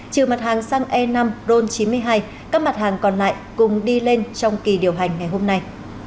trừ mặt hàng xăng e năm ron chín mươi hai các mặt hàng còn lại cùng đi lên trong kỳ điều hành ngày hôm nay